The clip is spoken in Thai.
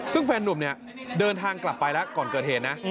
ซึ่งแฟนหนุ่มเดินทางกลับไปก่อนเกิดเหตุ